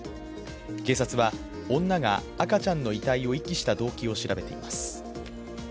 警察は、女が赤ちゃんの遺体を遺棄した動機を調べています。